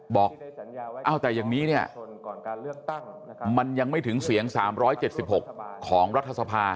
บอกเอ้าแต่อย่างนี้เนี้ยมันยังไม่ถึงเสียงสามร้อยเจ็ดสิบหกของรัฐสภา